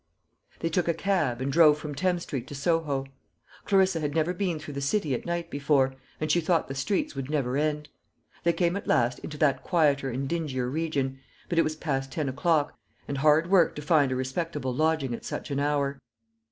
They took a cab, and drove from Thames street to Soho. Clarissa had never been through the City at night before, and she thought the streets would never end. They came at last into that quieter and dingier region; but it was past ten o'clock, and hard work to find a respectable lodging at such an hour.